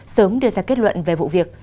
sớm đưa ra kết luận về vụ việc